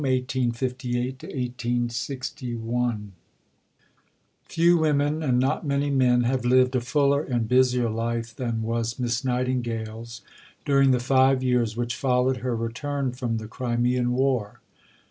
CHAPTER VI MISS NIGHTINGALE AT HOME (1858 1861) Few women, and not many men, have lived a fuller and busier life than was Miss Nightingale's during the five years which followed her return from the Crimean War.